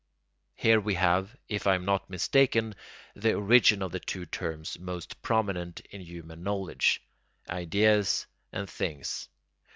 Here we have, if I am not mistaken, the origin of the two terms most prominent in human knowledge, ideas and things.